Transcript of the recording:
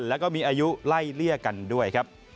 แล้วก็มีอายุไล่เลี่ยกันด้วยครับ